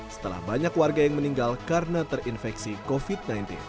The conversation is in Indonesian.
setelah banyak warga yang meninggal karena terinfeksi covid sembilan belas